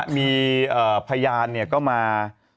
มีพยานก็มา